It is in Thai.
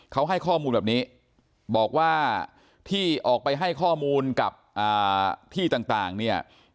เขาให้ข้อมูลแบบนี้บอกว่าที่ออกไปให้ข้อมูลกับที่ต่างเนี่ย